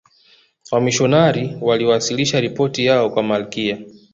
wamishionari waliwasilisha ripoti yao kwa malkia